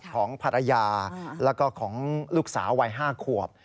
ของภรรยาแล้วก็ของลูกสาววัย๕ขวบ